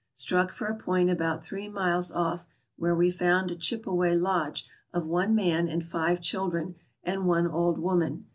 Struck for a point about three miles off, where we found a Chipe way lodge of one man and five children, and one old woman.